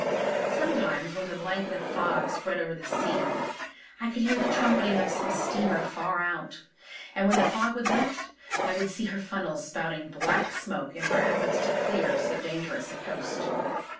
Sometimes when the blanket of fog spread over the sea, I could hear the trumpeting of some steamer far out; and when the fog would lift, I would see her funnels spouting black smoke in her efforts to clear so dangerous a coast.